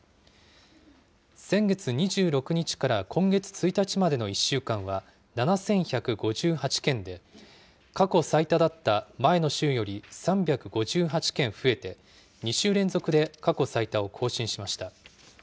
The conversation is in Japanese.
先月２６日から今月１日までの１週間は、７１５８件で、過去最多だった前の週より３５８件増えて、２週連続で過去最多を更新しました。